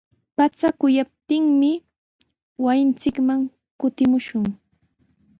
Pacha quyaptinmi wasinchikman kutimushun.